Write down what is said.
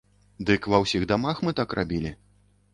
Дык ва ўсіх дамах мы так рабілі.